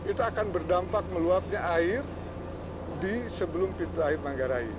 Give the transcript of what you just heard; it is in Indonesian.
itu akan berdampak meluapnya air di sebelum pintu air manggarai